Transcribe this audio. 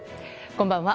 こんばんは。